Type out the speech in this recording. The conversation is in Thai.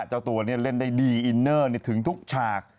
เจ้าตัวนี้เล่นได้ดีอินเนอร์ถึงทุกฉาก